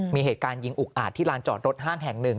มีเหตุการณ์ยิงอุกอาจที่ลานจอดรถห้างแห่งหนึ่ง